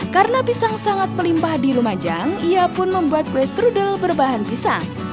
karena pisang sangat melimpah di lumajang ia pun membuat kue strudel berbahan pisang